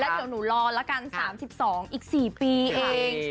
เดี๋ยวหนูรอละกัน๓๒อีก๔ปีเอง